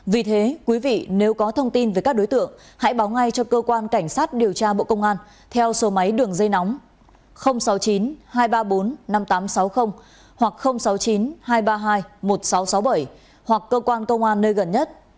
vì thế quý vị nếu có thông tin về các đối tượng hãy báo ngay cho cơ quan cảnh sát điều tra bộ công an theo số máy đường dây nóng sáu mươi chín hai trăm ba mươi bốn năm nghìn tám trăm sáu mươi hoặc sáu mươi chín hai trăm ba mươi hai một nghìn sáu trăm sáu mươi bảy hoặc cơ quan công an nơi gần nhất